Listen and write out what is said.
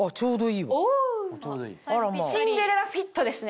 シンデレラフィットですね？